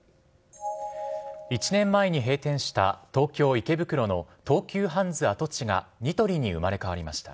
１年前に閉店した東京・池袋の東急ハンズ跡地が、ニトリに生まれ変わりました。